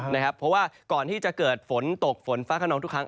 เพราะว่าก่อนที่จะเกิดฝนตกฝนฟ้าขนองทุกครั้ง